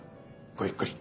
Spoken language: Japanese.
ごゆっくり。